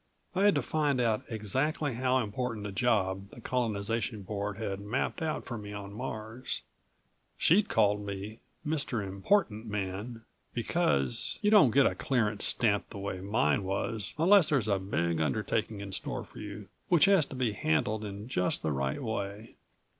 I had to find out exactly how important a job the Colonization Board had mapped out for me on Mars. She'd called me "Mr. Important Man" because you don't get a clearance stamped the way mine was unless there's a big undertaking in store for you which has to be handled in just the right way.